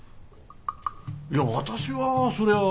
いや私はそりゃあ。